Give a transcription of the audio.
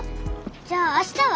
じゃあ明日は？